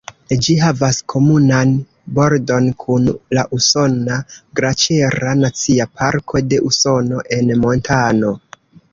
Ĝi havas komunan bordon kun la usona Glaĉera Nacia Parko de Usono en Montano.